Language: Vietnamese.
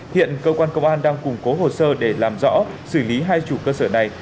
hiện cơ quan công an đang củng cố hồ sơ để làm rõ xử lý hai chủ cơ sở này